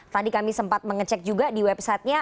tadi kami sempat mengecek juga di websitenya